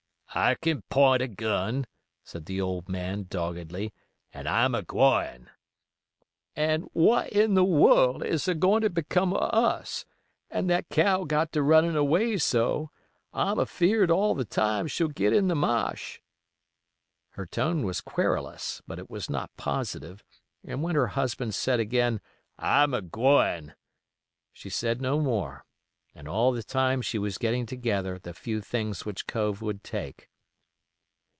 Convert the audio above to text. "I ken pint a gun," said the old man, doggedly, "an' I'm a gwine." "An' what in the worl' is a goin' to become of us, an' that cow got to runnin' away so, I'm afeared all the time she'll git in the mash?" Her tone was querulous, but it was not positive, and when her husband said again, "I'm a gwine," she said no more, and all the time she was getting together the few things which Cove would take.